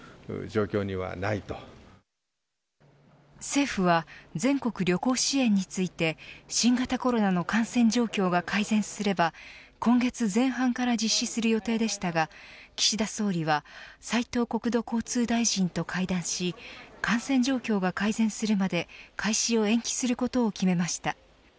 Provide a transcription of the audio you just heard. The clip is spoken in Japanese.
政府は全国旅行支援について新型コロナの感染状況が改善すれば今月前半から実施する予定でしたが岸田総理は斉藤国土交通大臣と会談し感染状況が改善するまで開始を延期することを決めました。